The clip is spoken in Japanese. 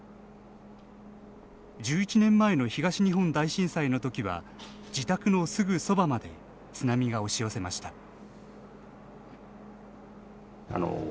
１１年前の東日本大震災のときは自宅のすぐそばまで津波が押し寄せました。